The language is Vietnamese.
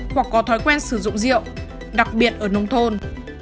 hoặc có thói quen sử dụng rượu đặc biệt ở nông thôn